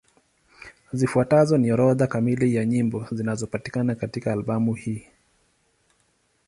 Zifuatazo ni orodha kamili ya nyimbo zinapatikana katika albamu hii.